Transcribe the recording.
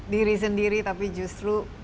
diri sendiri tapi justru